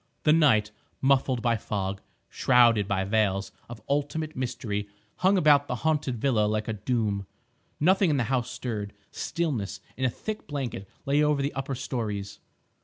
The night, muffled by fog, shrouded by veils of ultimate mystery, hung about the haunted villa like a doom. Nothing in the house stirred. Stillness, in a thick blanket, lay over the upper storeys.